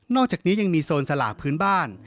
อกจากนี้ยังมีโซนสลากพื้นบ้าน